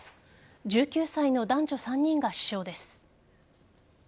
１９歳の男女３人が死傷です。